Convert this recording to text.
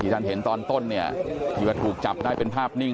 ติฉันเห็นตอนต้นเนี่ยถูกจับได้เป็นภาพนิ่ง